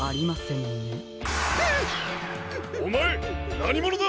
おまえなにものだ！